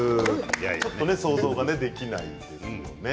想像ができないですよね。